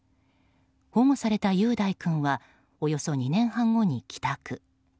保護された雄大君はおよそ２年半後に帰宅。